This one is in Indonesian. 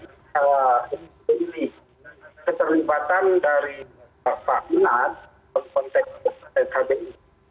keterlibatan dari pak enad untuk konteks askb ini